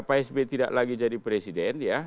pak s b tidak lagi jadi presiden ya